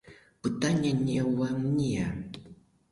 Пытанне не ўва мне.